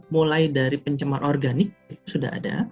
mulai dari pencemar organik itu sudah ada